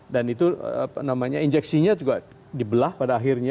dan itu injeksinya juga dibelah pada akhirnya